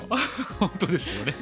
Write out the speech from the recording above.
本当ですよね。